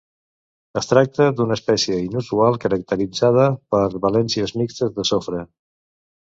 Es tracta d'una espècie inusual caracteritzada per valències mixtes de sofre.